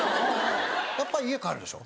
やっぱ家帰るでしょ。